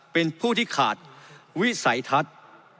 เป็นผู้ที่ขาดวิสัยทัศน์